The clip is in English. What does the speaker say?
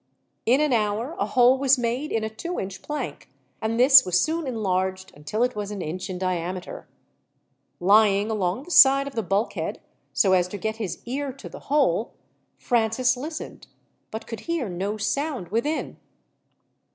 In an hour a hole was made in a two inch plank, and this was soon enlarged until it was an inch in diameter. Lying along the side of the bulkhead, so as to get his ear to the hole, Francis listened, but could hear no sound within.